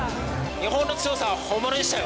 日本の強さは本物でしたよ。